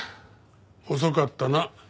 遅かったな。